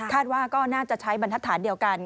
คาดว่าก็น่าจะใช้บรรทัดฐานเดียวกัน